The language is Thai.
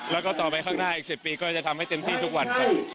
แล้วก็ต่อไปข้างหน้าอีก๑๐ปีก็จะทำให้เต็มที่ทุกวันครับ